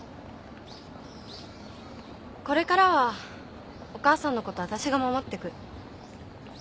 これからはお母さんのことわたしが守ってく。